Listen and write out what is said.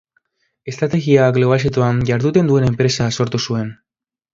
Estrategia globalizatuan jarduten duen enpresa sortu zuen.